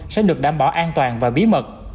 sẽ được đảm bảo an toàn và bí mật